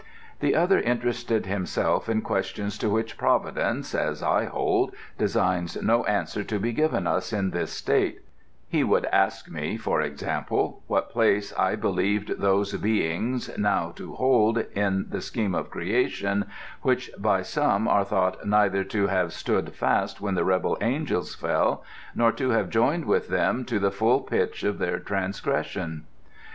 The other interested himself in questions to which Providence, as I hold, designs no answer to be given us in this state: he would ask me, for example, what place I believed those beings now to hold in the scheme of creation which by some are thought neither to have stood fast when the rebel angels fell, nor to have joined with them to the full pitch of their transgression.